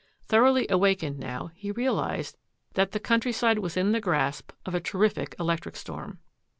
Thoroughly awakened now, he realised that the countryside was in the grasp of a terrific electric storm.